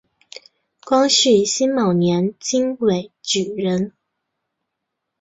光绪辛卯年京闱举人。